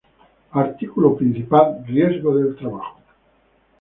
Artículo principal: Riesgo del trabajo.